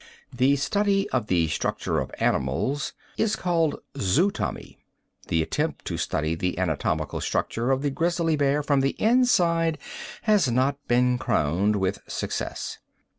The study of the structure of animals is called zootomy. The attempt to study the anatomical structure of the grizzly bear from the inside has not been crowned with success.